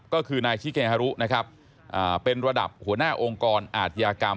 ก็คือนายชิเกฮารุนะครับเป็นระดับหัวหน้าองค์กรอาธิกรรม